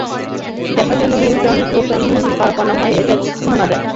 দেখা গেল নিউট্রন, প্রোটনও মূল কণা নয়, এদেরও ভাঙা যায়।